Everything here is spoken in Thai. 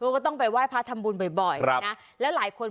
ก็ต้องไปไหว้พระธรรมุนบ่อยก่อนนะแล้วหลายคน